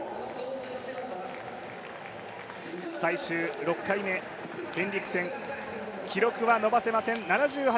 最終６回目、ヘンリクセン記録は伸ばせません。